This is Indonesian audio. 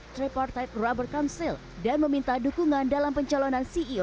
tripartide rubber council dan meminta dukungan dalam pencalonan ceo